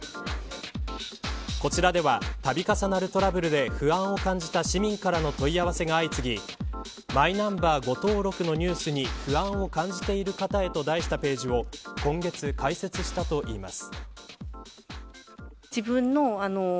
こちらでは、度重なるトラブルで不安を感じた市民からの問い合わせが相次ぎマイナンバー誤登録のニュースに不安を感じている方へと題したページを今月、開設したといいます。